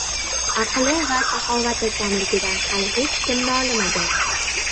• Aqli va saxovati kamligidan hali hech kim nolimagan.